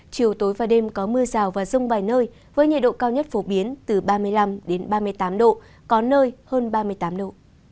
chiều tối và đêm có mưa rào và rông vài nơi với nhiệt độ cao nhất phổ biến từ ba mươi năm ba mươi tám độ có nơi hơn ba mươi tám độ